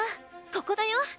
ここだよ。